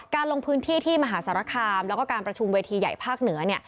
ลงพื้นที่ที่มหาสารคามแล้วก็การประชุมเวทีใหญ่ภาคเหนือ